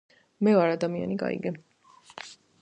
მე ვარ ადამიანი გაიგე